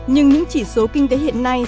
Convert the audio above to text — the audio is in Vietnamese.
nhưng những chỉ số kinh tế hiện nay